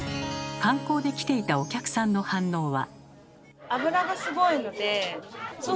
観光で来ていたお客さんの反応は？